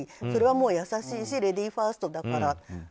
それはもう優しいしレディーファーストだから。